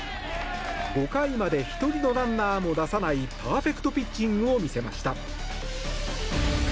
５回まで１人のランナーも出さないパーフェクトピッチングを見せました。